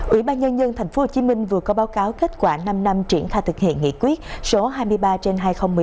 ủy ban nhân dân tp hcm vừa có báo cáo kết quả năm năm triển khai thực hiện nghị quyết số hai mươi ba trên hai nghìn một mươi tám